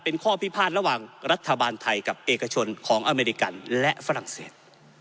เป็นข้อพิพาทระหว่างรัฐบาลไทยกับเอกชนของอเมริกันและฝรั่งเศส